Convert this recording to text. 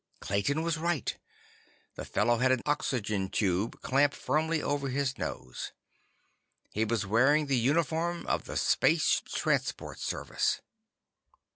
Clayton was right. The fellow had an oxygen tube clamped firmly over his nose. He was wearing the uniform of the Space Transport Service.